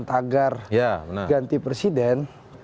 tagar ganti presiden